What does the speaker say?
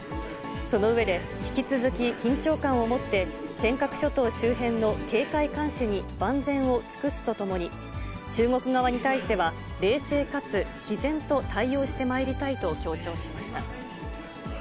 その上で、引き続き、緊張感を持って、尖閣諸島周辺の警戒監視に万全を尽くすとともに、中国側に対しては、冷静かつきぜんと対応してまいりたいと強調しました。